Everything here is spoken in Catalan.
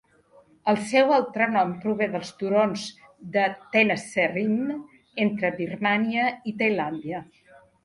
El seu altre nom prové dels turons de Tenasserim, entre Birmània i Tailàndia.